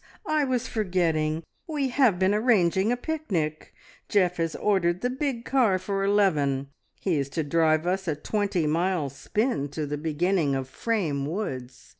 I was forgetting. ... We have been arranging a picnic. Geoff has ordered the big car for eleven. He is to drive us a twenty mile spin to the beginning of Frame Woods.